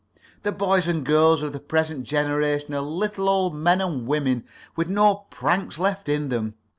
The boys and girls of the present generation are little old men and women with no pranks left in them.